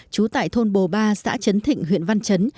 trú tại thôn bồ ba xã trấn thịnh huyện văn trấn